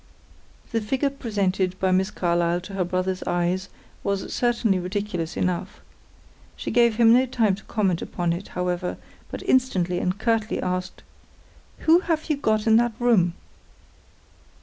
The figure presented by Miss Carlyle to her brother's eyes was certainly ridiculous enough. She gave him no time to comment upon it, however, but instantly and curtly asked, "Who have you got in that room?"